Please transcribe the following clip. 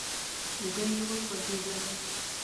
اوږه يې وسوځېده.